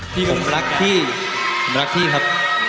ผมรักพี่รักพี่ครับ